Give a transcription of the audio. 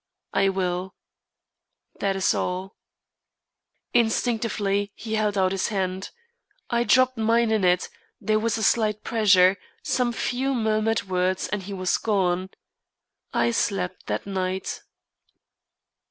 "I will." "That is all." Instinctively he held out his hand. I dropped mine in it; there was a slight pressure, some few more murmured words and he was gone. I slept that night.